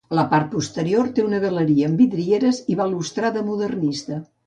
A la part posterior té una galeria amb vidrieres i balustrada modernista.